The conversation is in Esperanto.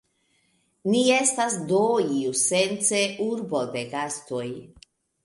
Ni estas, do, iusence urbo de gastoj.